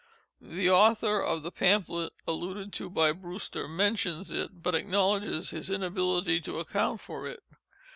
The author of the pamphlet alluded to by Brewster, mentions it, but acknowledges his inability to account for it.